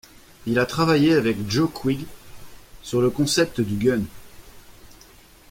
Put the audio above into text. Il a travaillé avec Joe Quigg sur le concept du Gun.